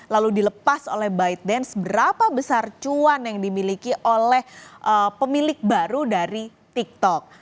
lalu dilepas oleh buited dance berapa besar cuan yang dimiliki oleh pemilik baru dari tiktok